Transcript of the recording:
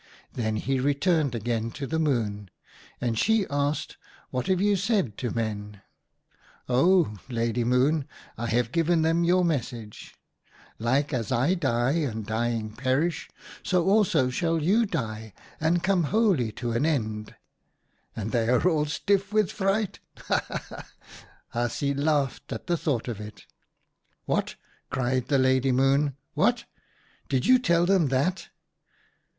" Then he returned again to the Moon, and she asked :' What have you said to Men?' "' O, Lady Moon, I have given them your message :" Like as I die and, dying, perish, so also shall you die and come wholly to an end," and they are all stiff with fright. 76 OUTA KAREL'S STORIES Ha ! ha ! ha !' Haasje laughed at the thought of it. "'What! cried the Lady Moon, 'what! did you tell them that